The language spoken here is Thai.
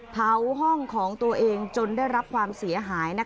เผาห้องของตัวเองจนได้รับความเสียหาย